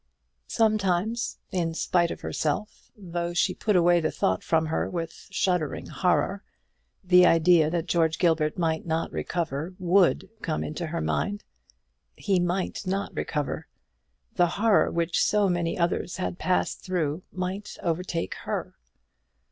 Sometimes, in spite of herself, though she put away the thought from her with shuddering horror, the idea that George Gilbert might not recover would come into her mind. He might not recover: the horror which so many others had passed through might overtake her.